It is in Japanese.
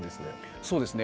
そうですね。